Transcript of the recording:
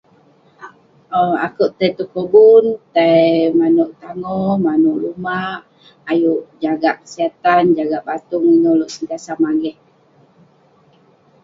Akuek tai tong kobun tai manuek tangoh tai manuek lumak ayuk jagak setan jagak batung setang sat magih